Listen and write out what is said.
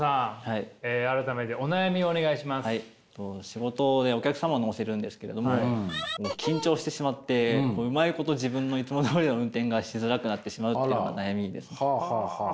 仕事でお客様を乗せるんですけれども緊張してしまってうまいこと自分のいつもどおりの運転がしづらくなってしまうっていうのが悩みです。